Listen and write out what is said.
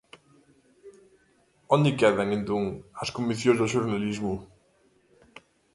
Onde quedan, entón, as convencións do xornalismo?